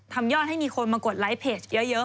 ยอดให้มีคนมากดไลค์เพจเยอะ